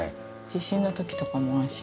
地震の時とかも安心。